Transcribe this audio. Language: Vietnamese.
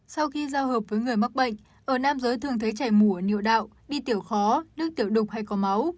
sau khi giao hợp với người mắc bệnh ở nam giới thường thấy chảy mũ ở niệu đạo đi tiểu khó nước tiểu đục hay có máu